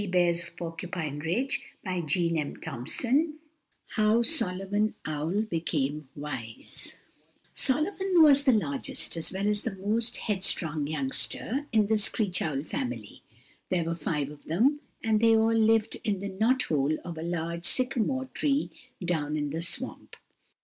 [Illustration: HOW SOLOMON OWL BECAME WISE] XVIII HOW SOLOMON OWL BECAME WISE Solomon was the largest, as well as the most headstrong youngster in the screech owl family. There were five of them, and they all lived in the knot hole of a large sycamore tree down in the swamp.